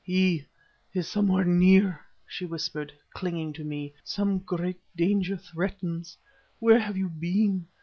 "He is somewhere near!" she whispered, clinging to me. "Some great danger threatens. Where have you been?